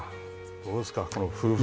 どうですか、この夫婦像は。